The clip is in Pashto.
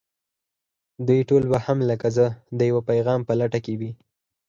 دوی ټول به هم لکه زه د يوه پيغام په لټه کې وي.